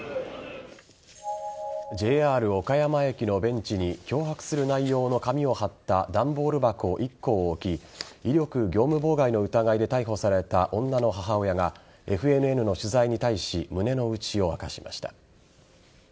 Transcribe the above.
ＪＲ岡山駅のベンチに脅迫する内容の紙を貼った段ボール箱１個を置き威力業務妨害の疑いで逮捕された女の母親がＦＮＮの取材に対し胸の内を明かしました。